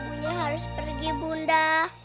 kenapa ibunya harus pergi bunda